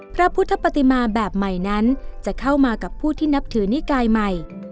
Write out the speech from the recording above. พระพุทธปฏิมาแบบใหม่นั้นจะเข้ามากับผู้ที่นับถือนิกายใหม่